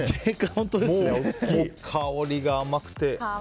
香りが甘くて。